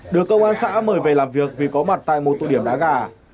được cơ quan xã mời về làm việc vì có mặt tại một tụi điểm đá gà